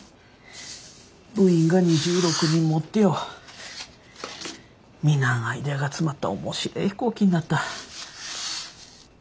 部員が２６人もおってよみんなのアイデアが詰まった面白え飛行機になった。